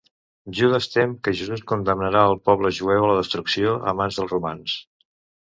Judes tem que Jesús condemnarà al poble jueu a la destrucció a mans dels romans.